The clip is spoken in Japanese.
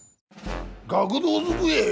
学童机！？